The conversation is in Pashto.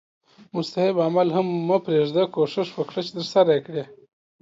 مستحب عمل هم مه پریږده کوښښ وکړه چې ترسره یې کړې